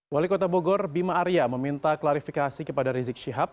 wali kota bogor bima arya meminta klarifikasi kepada rizik syihab